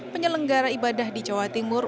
penyelenggara ibadah di jawa timur